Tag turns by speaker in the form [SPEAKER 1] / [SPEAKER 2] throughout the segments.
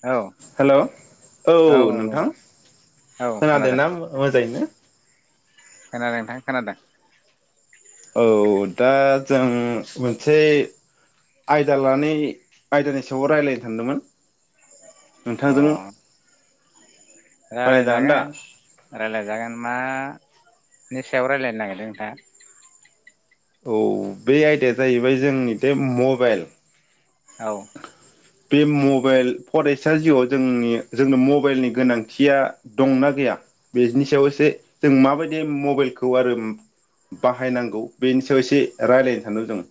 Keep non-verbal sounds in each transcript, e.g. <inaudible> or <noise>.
[SPEAKER 1] औ
[SPEAKER 2] hello hello औ नोंथां
[SPEAKER 1] औ
[SPEAKER 2] खोनादों ना मोजाङैनो?
[SPEAKER 1] खोनादों नोंथाङा खोनादों?
[SPEAKER 2] औ दा जों मोनसे आयदा लानि आयदानि सायाव रायज्लायनो सानदोंमोन
[SPEAKER 1] अ
[SPEAKER 2] नोंथांजों रायज्लायजागोन दा?
[SPEAKER 1] रायलायजागोन रायलायजागोन ना? नि सायाव रायज्लायनो नागिरदों नोंथां
[SPEAKER 2] औ बे आयदाया जाहैबाय जोंनि बे मबाइल
[SPEAKER 1] औ
[SPEAKER 2] बे मबाइल फरायसा जिउआव जोंनि जोंनो मबाइलनि गोनांथिया दंना गैया बेनि सायाव एसे जों माबायदि मबाइलखौ आरो बाहायनांगौ बेनि सायाव एसे राय्लायनो सानदों जों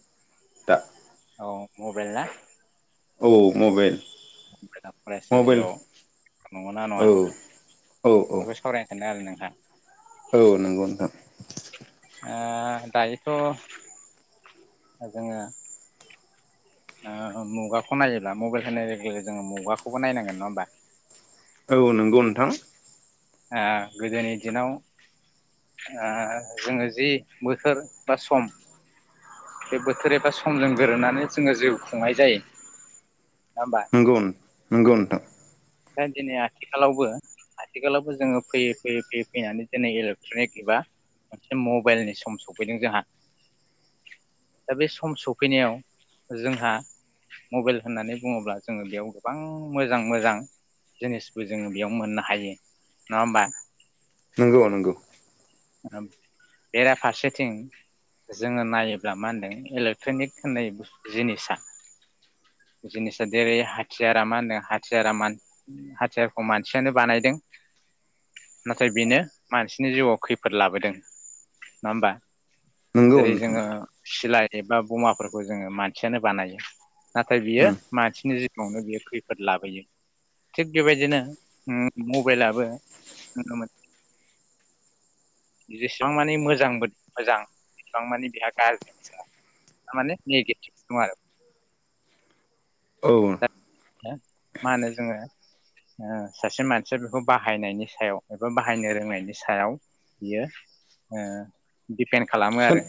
[SPEAKER 2] दा।
[SPEAKER 1] औ मबाइल ना?
[SPEAKER 2] औ मबाइल।
[SPEAKER 1] फरायसा
[SPEAKER 2] मबाइल
[SPEAKER 1] जिउआव नंगौ ना नङा
[SPEAKER 2] औ औ औ
[SPEAKER 1] बेखौ सावरायनो सानोदों आरो नों? <unintelligible>
[SPEAKER 2] औ नंगौ नथां।
[SPEAKER 1] ओ दायोथ' जोङो मुगाखौ नायोब्ला मबाइल होननाय लोगो लोगो जोङो मुगाखौबो नायनांगोन नङा होमबा?
[SPEAKER 2] औ नंगौ नोंथां।
[SPEAKER 1] ओ गोदोनि दिनाव ओ जोङो जि बोथोर एबा सम बे बोथोर एबा समजों गोरोबनानै जोङो जिउ खुंनाय जायो। नङा होमबा
[SPEAKER 2] नोंगौ नोंंगौ <unintelligible>
[SPEAKER 1] दा दिनै आथिखालावबो आथिखालावबो जोङो फैयै फैयै फैयै फैनानै दिनै इलेक्ट्रनिक एबा मोनसे मबाइलनि सम सफैदों जोंहा दा बे सम सफैनायाव जोंहा मबाइल होननानै बुङोब्ला जोङो बेयाव गोबां मोजां मोजां जिनिसबो जोङो बेयाव मोननो हायो नङा होमबा?
[SPEAKER 2] नोंगौ नंगौ।
[SPEAKER 1] बेराफारसेथिं जोङो नायोब्ला मा होनदों इलेक्ट्रनिक होननाय जिनिसा जिनिसा जेरै हाथियारा मा होनदों हाथियारा मा हाथियारखौ मानसियानो बानायदों नाथाय बेनो मानसिनि जिउआव खैफोद लाबोदों नङा होमबा?
[SPEAKER 2] नंगौ
[SPEAKER 1] जेरै
[SPEAKER 2] नोंथां
[SPEAKER 1] जोङो सिलाइ एबा बमाफोरखौ जोङो मानसियानो बानायो नाथाय बियो मानसिनि जि जिवानो बियो खैफोद लाबोयो थिग बेबायदिनो मबाइलाबो नुनो मोनो जेसेबां मानि मोजांबो मोजां एसेबां मानि बेहा गाज्रि थारमाने नेगेटिभ दं आरो
[SPEAKER 2] औ
[SPEAKER 1] मानो? जोङो सासे मानसिया बेखौ बाहायनायनि सायाव एबा बाहायनो रोंनायनि सायाव बियो दिपेन्ड खालामो
[SPEAKER 2] सोन
[SPEAKER 1] आरो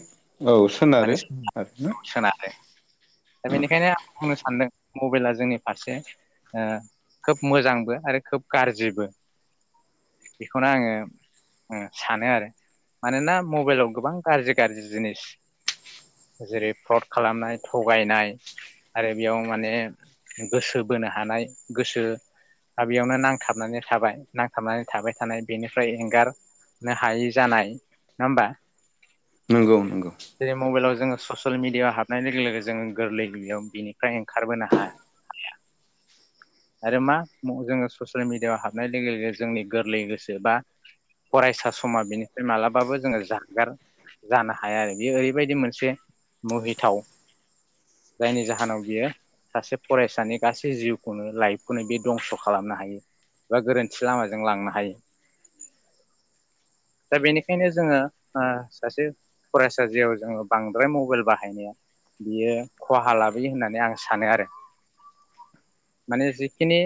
[SPEAKER 2] औ
[SPEAKER 1] माने
[SPEAKER 2] सोनारो आरोना
[SPEAKER 1] सोनारो दा बेनिखायनो आं बुंनो सानदों मबाइला जोंनि फारसे ओ खोब मोजांबो आरो खोब गाज्रिबो बेखौनो आङो ओ सानो आरो मानोना मबाइलाव गोबां गाज्रि गाज्रि जिनिस जेरै फ्रद खालामनाय थगायनाय आरो बेयाव माने गोसो बोनो हानाय गोसोयाव बेयावनो नांथाबनानै थाबाय नांथाबनानै थाबाय थानाय बेनिफ्राय एंगारनो हायि जानाय नङा होमबा
[SPEAKER 2] नंगौ नंगौ
[SPEAKER 1] जेरै मबाइलाव जोङो ससियेल मिडियाआव हाबनाय लोगो लोगो जोङो गोरलै गयाव बिनिफ्राय ओंखारबोनो हायाया आरो मा जोङो ससियेल मिडियाआव हाबनाय लोगो लोगो जोंनि गोरलै गोसो बा फरायसा समा बेनिफ्राय मालाबाबो जोङो जागगार जानो हाया आरो बेयो ओरैबायदि मोनसे मुहिथाव जायनि जाहोनाव बियो सासे फरायसानि गासै जिउखौनो लाइफखौनो बे दंस' खालामनो हायो बा गोरोन्थि लामाजों लांनो हायो दा बेनिखायनो जोङो सासे फरायसा जियाव जोङो बांद्राय मबाइल बाहायनाया बियो खहा लाबोयो होननानै आं सानो आरो माने जिखिनि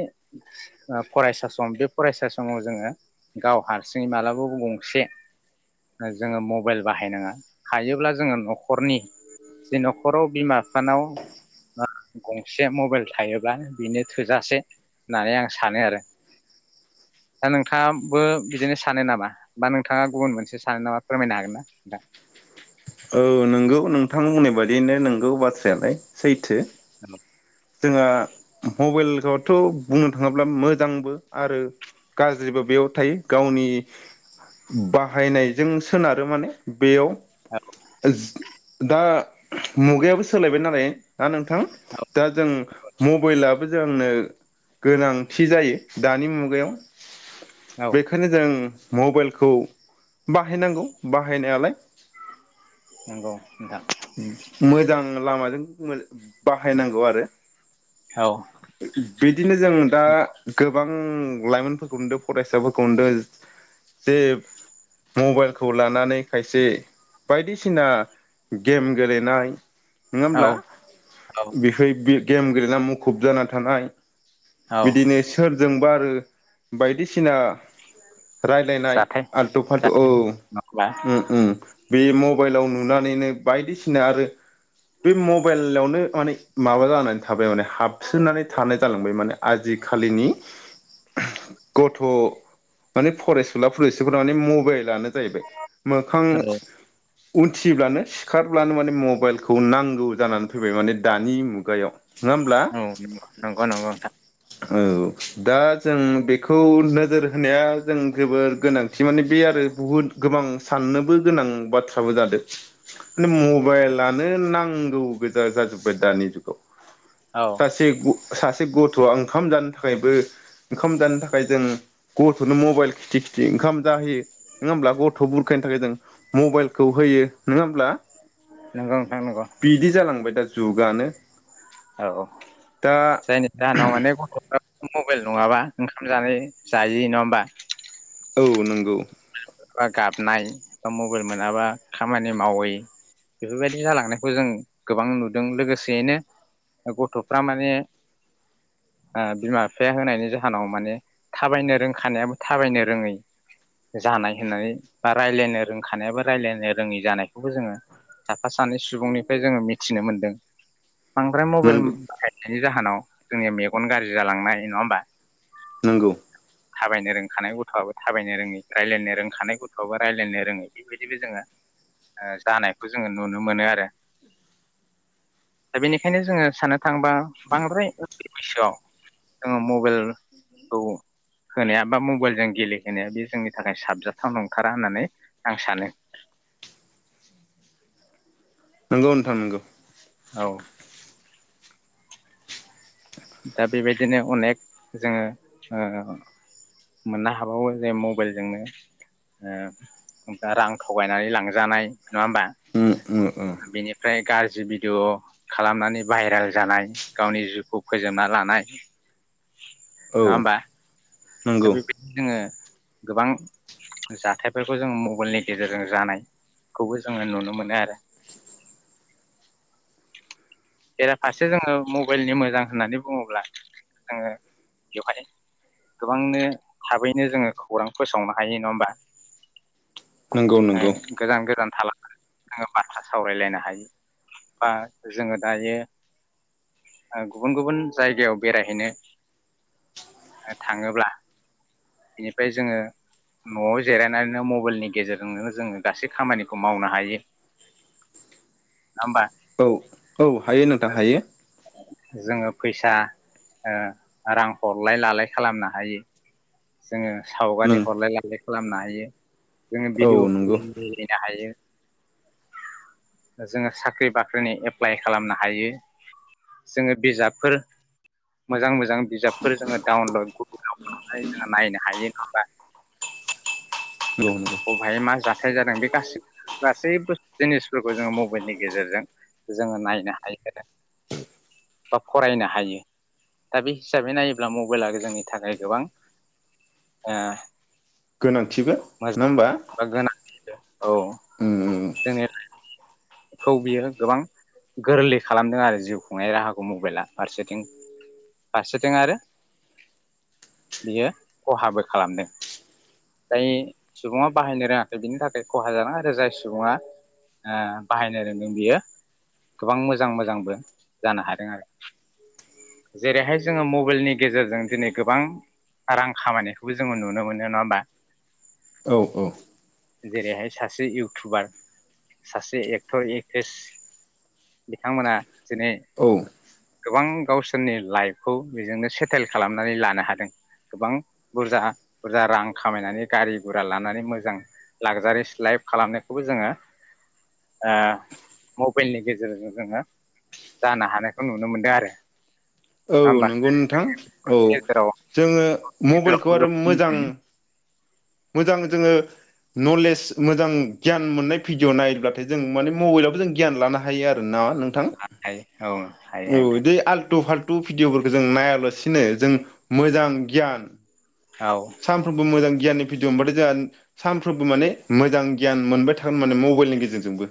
[SPEAKER 1] फरायसा सम बे फरायसा समाव जोङो गाव हारसिङै मालाबाबो गंसे जोङो मबाइल बाहायनाङा हायोब्ला जोङो न'खरनि जे न'खराव बिमा बिफानाव गंसे मबाइल थायोब्ला बेनो थोजासे होननानै आं सानो आरो दा नोंथाङाबो बिदिनो सानो नामा बा नोंथाङा गुबुन मोनसे सानो नामा फोरमायनो हागोन ना नोंथां
[SPEAKER 2] औ नोंगौ नोंथां बुंनाय बायदियैनो नोंगौ बाथ्रायालाय सैथो जोंहा मबाइलखौथ' बुंनो थाङोब्ला मोजांबो आरो गाज्रिबो बेयाव थायो गावनि बाहायनायजों सोनारो माने बेयाव
[SPEAKER 1] नोंथां?
[SPEAKER 2] <unintelligible> दा मुगायाबो सोलायबाय नालाय ना नोंथां
[SPEAKER 1] औ
[SPEAKER 2] दा जों मबाइलाबो जोंनो गोनांथि जायो दानि मुगायाव
[SPEAKER 1] औ
[SPEAKER 2] बेखायनो जों मबाइलखौ बाहायनांगौ बाहायनायालाय
[SPEAKER 1] नंगौ नोंथां
[SPEAKER 2] मोजां लामाजों बाहायनांगौ आरो
[SPEAKER 1] औ
[SPEAKER 2] बिदिनो जों दा गोबां लाइमोनफोरखौ नुदों फरायसाफोरखौ नुदों जे मबाइलखौ लानानै खायसे बायदिसिना गेम गेलेनाय नङा
[SPEAKER 1] औ
[SPEAKER 2] होमब्ला
[SPEAKER 1] औ
[SPEAKER 2] बेखाय बे गेम गेलेना मुखुब जाना थानाय
[SPEAKER 1] औ
[SPEAKER 2] बिदिनो सोरजोंबा बायदिसिना राय्लायनाय
[SPEAKER 1] जाथाय
[SPEAKER 2] आल्थु फाल्थु औ
[SPEAKER 1] जाथाय नङाबा
[SPEAKER 2] उम उम मबाइलाव नुनानैनो बायदिसिना आरो बे मबाइलावनो माने माबा जानानै थाबाय माने हाबसोनानै थानाय जालांबाय माने आजिखालिनि गथ' माने फरायसुला फरायसुलिफोरा माने मबाइलानो जाहैबाय मोखां
[SPEAKER 1] औ औ
[SPEAKER 2] उथिब्लानो सिखारब्लानो माने मबाइलखौ नांगौ जानानै फैबाय माने दानि मुगायाव नङा होमब्ला
[SPEAKER 1] औ नंगौ नंगौ नोंथां
[SPEAKER 2] औ दा जों बेखौनो नोजोर होनाया जों जोबोर गोनांथि माने बे आरो बुहुद गोबां साननोबो गोनां बाथ्राबो जादों मबाइलानो नांगौ गोजा जाजोबबाय दानि जुगाव
[SPEAKER 1] औ
[SPEAKER 2] सासे गथ' आं ओंखाम जानो थाखायबो ओंखाम जानो थाखाय जों गथ'नो मबाइल खिथि खिथि ओंखाम जाहोयो नङा होमब्ला गथ' बुरखायनो थाखाय जों मबाइलखौ होयो नङा होमब्ला
[SPEAKER 1] नंगौ नोंथां नंगौ
[SPEAKER 2] बिदि जालांबाय दा । जुगानो ।
[SPEAKER 1] औ औ जायनि जाहोनाव माने गथ'फ्रा <unintelligible> मबाइल नङाबा ओंखाम जानाय जायि नङा होमबा?
[SPEAKER 2] औ नंगौ ।
[SPEAKER 1] गाबनाय बा मबाइल मोनाबा खामानि मावै बेफोरबायदि जालांनायखौ जों गोबां नुदों लोगोसेयैनो गथ'फ्रा माने बिमा बिफाया होनायनि जाहोनाव माने थाबायनो रोंखानायाबो थाबायनो रोङै? जानाय होननानै बा राय्लायनो रोंखानायआबो राय्लायनो रोङै जानायखौ जोङो साफा सानै सुबुंनिफ्राय जोङो मिथिनो मोनदों । बांद्राय मबाइल
[SPEAKER 2] नंगौ
[SPEAKER 1] बाहायनायनि जाहोनाव जोंनि मेगन गाज्रि जालांनाय नङा होमबा ।
[SPEAKER 2] नोंगौ ।
[SPEAKER 1] थाबायनो रोंखानाय गथ'आबो थाबायनो रोङै । रायलायनो रोंखानाय गथ'आबो रायलायनो रोङै । बेबायदिबो जोङो ओ जानायखौ जोङो नुनो मोनो आरो । दा बेनिखायनो जोङो साननो थांङोबा बांद्राय उन्दै बैसोआव जोङो मबाइलखौ होनाया बा मबाइलजों गेलेहोनाया बे जोंनि थाखाय साबजाथाव नंथारा होननानै आं सानो।
[SPEAKER 2] नोंगौ नोंथां नोंगौ
[SPEAKER 1] औ दा बेबायदिनो अनेक जोङो मोननो ओ मोननोहाबावो जे मबाइलजोंनो ओ दा रां थगायनानै लांजानाय नङा होमबा
[SPEAKER 2] उम उम उम
[SPEAKER 1] बेनिफ्राय गार जि भिडिय' खालामनानै भाइरेल जानाय गावनि जिउखौ फोजोबना लानाय ।
[SPEAKER 2] औ
[SPEAKER 1] नङा होमबा । दा
[SPEAKER 2] नंगौ
[SPEAKER 1] बेबायदिनो जोङो गोबां जाथायफोरखौ जों मबाइलनि गेजेरजों जानायखौबो जोङो नुनो मोनो आरो । बेराफारसे जोङो मबाइलनि मोजां होननानै बुङोब्ला जोङो बेवहाय गोबांनो थाबैनो जोङो खौरां फोसावनो हायो नङा होमबा
[SPEAKER 2] नंगौ
[SPEAKER 1] ।
[SPEAKER 2] नंगौ
[SPEAKER 1] ओं गोजान गोजान थाला नोङो बाथ्रा सावरायलायनो हायो बा जोङो दायो गुबुन गुबुन जायगायाव बेरायहैनो थाङोब्ला बेनिफ्राय जोङो न'आव जिरायनानैनो मबाइलनि गेजेरजोंनो जोङो गासै खामानिखौ मावनो हायो। नङा होमबा
[SPEAKER 2] औ औ हायो नोंथां हायो।
[SPEAKER 1] जोङो फैसा ओ रां हरलाय लालाय खालामनो हायो। जोङो सावगारि
[SPEAKER 2] नों
[SPEAKER 1] हरलाय लालाय खालामनो हायो। जोङो
[SPEAKER 2] औ
[SPEAKER 1] भिडिअ
[SPEAKER 2] नंगौ
[SPEAKER 1] कलिंनो हायो । जोङो साख्रि बाख्रिनि एप्लाइ खालामनो हायो । जोङो बिजाबफोर मोजां मोजां बिजाबफोर जोङो डाउनलड गुग खालामनाय जोंहा नायनो हायो नङा होनबा
[SPEAKER 2] नंगौ नंगौ
[SPEAKER 1] बबेहाय मा जाथाय जादों बे गासै गासैबो जिनिसफोरखौ जोङो मबाइलनि गेजेरजों जोङो नायनो हायो आरो । बा फरायनो हायो दा बे हिसाबै नायोब्ला मबाइला जोंनि थाखाय गोबां ओ
[SPEAKER 2] गोनांथिबो नङा
[SPEAKER 1] मोजां
[SPEAKER 2] होमबा
[SPEAKER 1] बा गोनां
[SPEAKER 2] ।
[SPEAKER 1] औ जोंनि खौ बियो गोबां गोरलै खालामदों आरो जिउ खुंनाय राहाखौ मबाइला फारसेथिं फारसेथिं आरो बियो खहाबो खालामदों जाय सुबुङा बाहायनो रोङाखै बिनि थाखाय खहा जादों आरो जाय सुबुङा ओ बाहायनो रोंदों बियो गोबां मोजां मोजांबो जानो हादों आरो जेरैहाय जोङो मबाइलनि गेजेरजों दिनै गोबां रां खामायनायखौबो जोङो नुनो मोनो नङा होमबा?
[SPEAKER 2] औ औ।
[SPEAKER 1] जेरैहाय सासे इउटुबार सासे एक्टर एक्ट्रिस बिथांमोना दिनै
[SPEAKER 2] औ
[SPEAKER 1] गोबां गावसोरनि लाइफखौ बेजोंनो सेटेल खालामनानै लानो हादों। गोबां बुरजा बुरजा रां खामायनानै गारि गुरा लानानै मोजां लाक्जारिस लाइफ खालामनायखौबो जोङो ओ मबाइलनि गेजेरजों जोङो जानो हानायखौ नुनो मोनदों आरो।
[SPEAKER 2] औ
[SPEAKER 1] नङा होमबा
[SPEAKER 2] नंगौ नोंथां औ
[SPEAKER 1] गेजेराव
[SPEAKER 2] जोङो
[SPEAKER 1] गेजेराव
[SPEAKER 2] मबाइलखौ आरो मोजां
[SPEAKER 1] मिथिनो
[SPEAKER 2] मोजां जोङो नलेज मोजां गियान मोननाय भिडिय' नायोब्लाथाय जों माने मबाइलावबो जों गियान लानो हायो आरो न? नोंथां
[SPEAKER 1] हायो औ हायो
[SPEAKER 2] औ दे
[SPEAKER 1] हायो
[SPEAKER 2] आलटु फाल टु भिडिअफोरखौ जों नायालासिनो जों मोजां गियान
[SPEAKER 1] औ
[SPEAKER 2] सानफ्रोमबो मोजां गियाननि भिडअ' मोनबाथाय जोंहा सानफ्रोमबो माने मोजां गियान मोनबाय थागोन माने मबाइलनि गेजेरजोंबो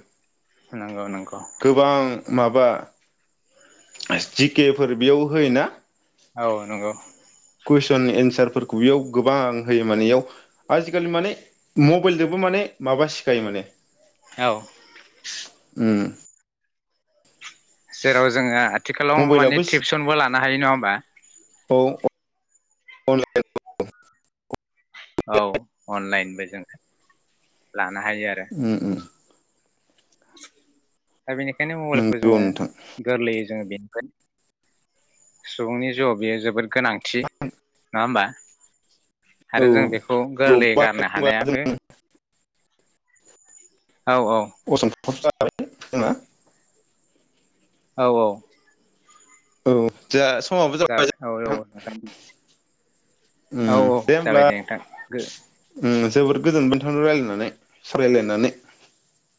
[SPEAKER 1] नंगौ नंगौ
[SPEAKER 2] गोबां माबा <unintelligible> जि के फोर बेयाव होयो ना
[SPEAKER 1] औ नंगौ।
[SPEAKER 2] कुइसन एन्सारफोरखौ बेयाव गोबां होयो माने इयाव आजिखालि माने मबाइलजोंबो माने माबा सिखायो माने
[SPEAKER 1] औ।
[SPEAKER 2] उम
[SPEAKER 1] जेराव जोङो आथिखालाव माने
[SPEAKER 2] मबाइलाबो
[SPEAKER 1] टिउसनबो लानो हायो नङा होमबा?
[SPEAKER 2] औ। <unintelligible>
[SPEAKER 1] औ अनलाइनबो जों <unintelligible>
[SPEAKER 2] उ उ।
[SPEAKER 1] <inaudible> दा बेनिखायनो मबाइलखौ
[SPEAKER 2] नंगौ
[SPEAKER 1] जोङो
[SPEAKER 2] नोंथां
[SPEAKER 1] गोरलैयै जोङो बेनि सुबुंनि जिउआव बेयो जोबोद गोनांथि नङा होमबा?
[SPEAKER 2] औ
[SPEAKER 1] आरो जों बेखौ गोरलैयै गारनो हानाया बे औ औ।
[SPEAKER 2] <unintelligible>
[SPEAKER 1] औ औ।
[SPEAKER 2] औ जा
[SPEAKER 1] जाबाय औ-औ नोंथां। औ-औ जाबाय दे नोंथां।
[SPEAKER 2] जोबोर गोजोनबाय नोंथांजों रायज्लायनानै सावरायलायनानै।